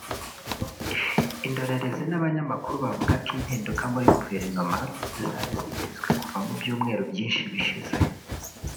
Indorerezi n’abanyamakuru bavuga ko impinduka muri Guverinoma zari zitezwe kuva mu byumweru byinshi bishize